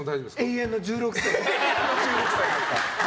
永遠の１６歳です。